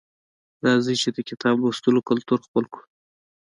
راځئ چې د کتاب لوستلو کلتور خپل کړو